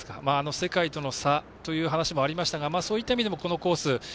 世界との差という話もありましたがそういった意味でもこのコース